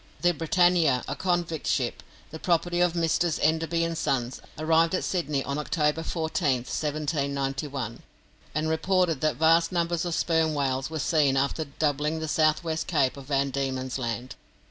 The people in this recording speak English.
The 'Britannia', a convict ship, the property of Messrs. Enderby & Sons, arrived at Sydney on October 14th, 1791, and reported that vast numbers of sperm whales were seen after doubling the south west cape of Van Diemen's Land.